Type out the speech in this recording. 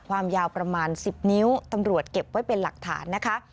ความยาวประมาณ๑๐นิ้วตำรวจเก็บไว้เป็นหลักฐานนะคะ